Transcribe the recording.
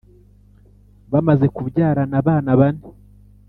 bamaze kubyarana abana bane